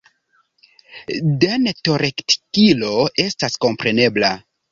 Dentorektigilo estas komprenebla.